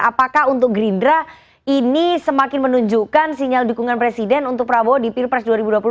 apakah untuk gerindra ini semakin menunjukkan sinyal dukungan presiden untuk prabowo di pilpres dua ribu dua puluh